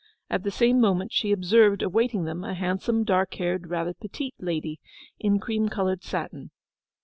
At the same moment she observed awaiting them a handsome, dark haired, rather petite lady in cream coloured satin.